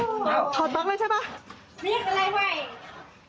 ถอดบังเลยใช่ป่ะ